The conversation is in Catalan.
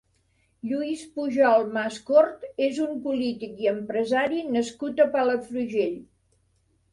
Lluís Pujol Mascort és un polític i empresari nascut a Palafrugell.